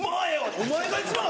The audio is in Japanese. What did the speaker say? お前が一番頭